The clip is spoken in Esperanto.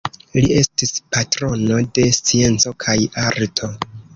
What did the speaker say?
Li estis patrono de scienco kaj arto.